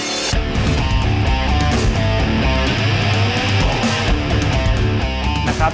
เพิ่มเต็มดังการดู